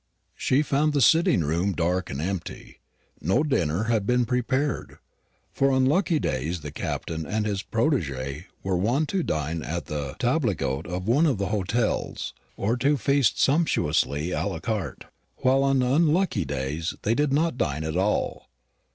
She found the sitting room dark and empty. No dinner had been prepared; for on lucky days the Captain and his protégé were wont to dine at the table d'hôte of one of the hotels, or to feast sumptuously à la carte, while on unlucky days they did not dine at all.